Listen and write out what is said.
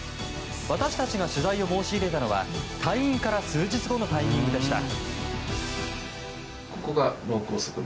私たちが取材を申し入れたのは退院から数日後のタイミングでした。